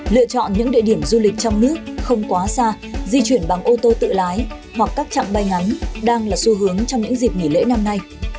lựa chọn những địa điểm du lịch trong nước không quá xa di chuyển bằng ô tô tự lái hoặc các chặng bay ngắn đang là xu hướng trong những dịp nghỉ lễ năm nay